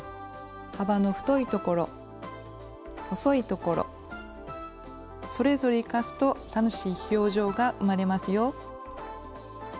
幅の太いところ細いところそれぞれ生かすと楽しい表情が生まれますよ。